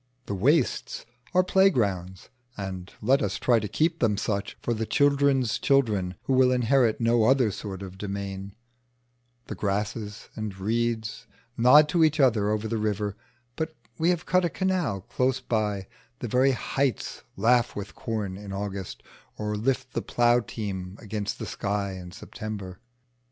The wastes are playgrounds (and let us try to keep them such for the children's children who will inherit no other sort of demesne); the grasses and reeds nod to each other over the river, but we have cut a canal close by; the very heights laugh with corn in August or lift the plough team against the sky in September.